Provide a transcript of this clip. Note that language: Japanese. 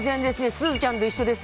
すずちゃんと一緒です。